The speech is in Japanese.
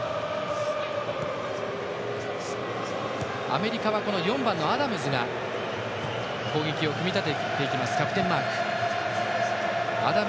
アメリカは４番のアダムズが攻撃を組み立てますキャプテンマークをつけています。